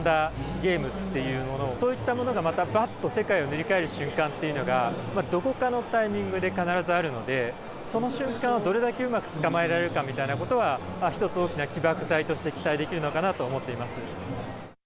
ゲームっていうものを、そういったものがまたばっと世界を塗り替える瞬間というのが、どこかのタイミングで必ずあるので、その瞬間をどれだけうまく捕まえられるかというのは、一つ大きな起爆剤として期待できるのかなと思っています。